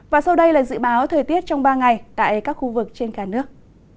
và sau đây là dự báo thời tiết trong ba ngày tại các khu vực trên cả nước